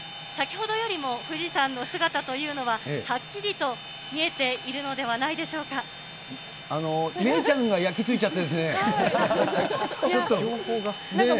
先ほどよりも富士山の姿というのは、はっきりと見えているのではあのー、芽生ちゃんが焼きついちゃってですね、ちょっとね。